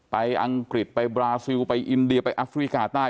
อังกฤษไปบราซิลไปอินเดียไปแอฟริกาใต้